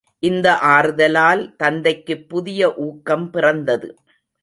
இந்த ஆறுதலால் தத்தைக்குப் புதிய ஊக்கம் பிறந்தது.